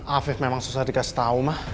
afif memang susah dikasih tahu mah